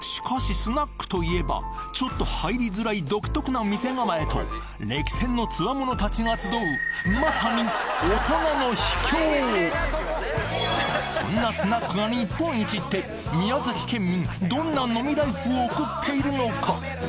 しかしちょっと入りづらい独特な店構えと歴戦の強者たちが集うまさにそんなスナックが日本一って宮崎県民どんな飲みライフを送っているのか？